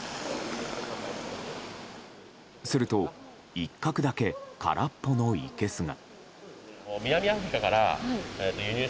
すると、一角だけ空っぽのいけすが。